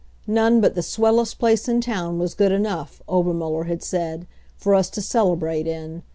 None but the swellest place in town was good enough, Obermuller had said, for us to celebrate in.